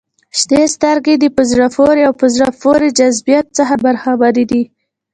• شنې سترګې د په زړه پورې او په زړه پورې جذابیت څخه برخمنې دي.